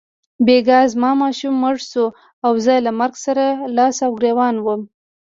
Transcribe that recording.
بیګا زما ماشوم مړ شو او زه له مرګ سره لاس او ګرېوان وم.